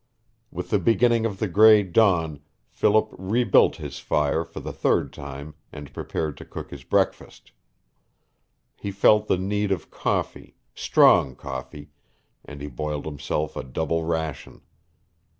With the beginning of the gray dawn Philip rebuilt his fire for the third time and prepared to cook his breakfast. He felt the need of coffee strong coffee and he boiled himself a double ration.